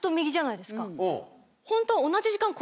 ホントは。